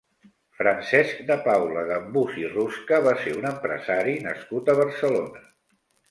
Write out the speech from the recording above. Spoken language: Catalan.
Francesc de Paula Gambús i Rusca va ser un empresari nascut a Barcelona.